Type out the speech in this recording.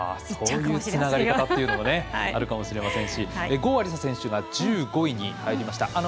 そういうつながり方もあるかもしれませんし郷亜里砂選手が１５位に入りました。